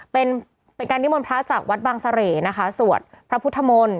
เป็นเป็นการนิมนต์พระจากวัดบางเสร่นะคะสวดพระพุทธมนต์